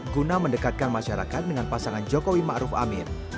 guna mendekatkan masyarakat dengan pasangan jokowi ma'ruf amir